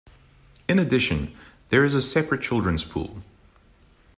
In addition, there is a separate children's pool.